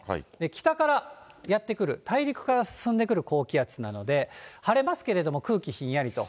北からやって来る、大陸から進んでくる高気圧なので、晴れますけれども、空気ひんやりと。